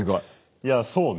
いやそうね。